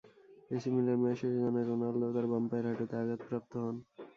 AC Milan match শেষে জানায় Ronaldo তার বাম পায়ের হাঁটুতে আঘাতপ্রাপ্ত হন।